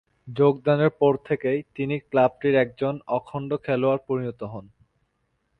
যোগদানের পর থেকেই তিনি ক্লাবটির একজন অখণ্ড খেলোয়াড়ে পরিণত হন।